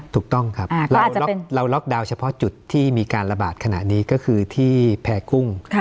ถูกต้องครับเราล็อกดาวน์เฉพาะจุดที่มีการระบาดขณะนี้ก็คือที่แพร่กุ้ง